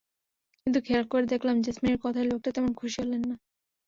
কিন্তু খেয়াল করে দেখলাম, জেসমিনের কথায় লোকটা তেমন খুশি হলেন না।